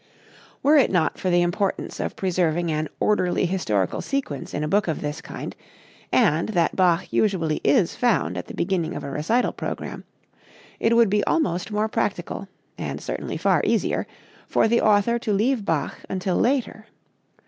Were it not for the importance of preserving an orderly historical sequence in a book of this kind, and that Bach usually is found at the beginning of a recital program, it would be almost more practical, and certainly far easier, for the author to leave Bach until later.